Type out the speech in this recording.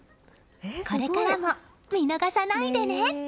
これからも見逃さないでね！